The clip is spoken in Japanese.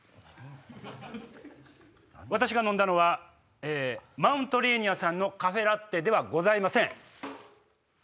私が飲んだのはマウントレーニアさんのカフェラッテではございません。